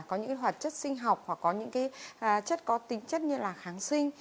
có những cái hoạt chất sinh học hoặc có những cái chất có tính chất như là kháng sinh